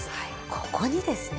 ここにですね